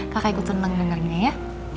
kakak gue tenang dengarnya ya